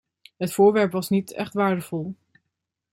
Het voorwerp was niet echt waardevol.